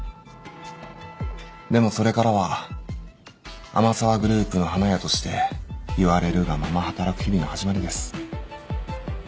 でもそれからは天沢グループの花屋として言われるがまま働く日々の始まりです。